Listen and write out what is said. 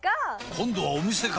今度はお店か！